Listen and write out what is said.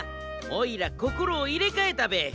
おいらこころをいれかえたべえ。